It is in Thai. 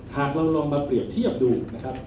หากเราลองมาเปรียบเทียบดูนะครับ